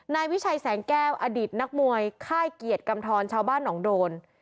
นายวิชัยแสงแก้วอดีตนักมวยค่ายเกียรติกำทรชาวบ้านหนองโดน